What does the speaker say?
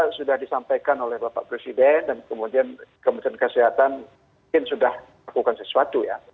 sudah disampaikan oleh bapak presiden dan kemudian kementerian kesehatan mungkin sudah lakukan sesuatu ya